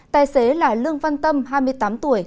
tài xế là lương văn tâm hai mươi tám tuổi